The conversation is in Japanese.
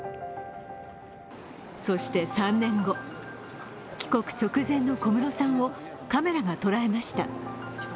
そして３年後、帰国直前の小室さんをカメラが捉えました。